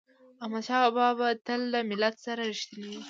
احمدشاه بابا به تل له ملت سره رښتینی و.